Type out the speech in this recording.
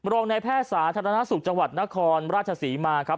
รองในแพทย์สาธารณสุขจังหวัดนครราชศรีมาครับ